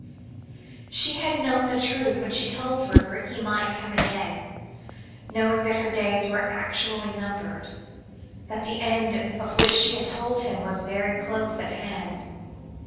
She had known the truth when she told Rupert he might come again, knowing that her days were actually numbered, that the end of which she had told him, was very close at hand.